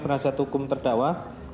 berasat hukum terdakwa